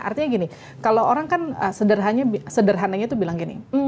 artinya gini kalau orang kan sederhananya itu bilang gini